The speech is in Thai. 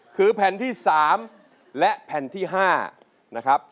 คือแผ่นที่๓และแผ่นที่๕นะครับ